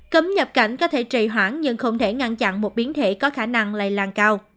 cấm nhập cảnh có thể trì hoãn nhưng không thể ngăn chặn một biến thể có khả năng lây lan cao